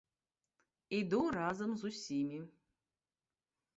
Іду разам з усімі.